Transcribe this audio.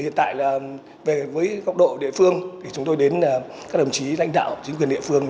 hiện tại với góc độ địa phương chúng tôi đến các đồng chí danh đạo chính quyền địa phương